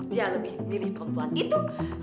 dia lebih milih perempuan itu